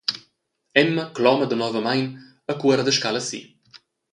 Emma cloma danovamein e cuora da scala si.